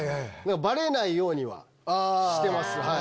バレないようにはしてます。